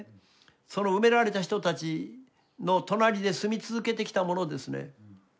その埋められた人たちの隣で住み続けてきた者ですね。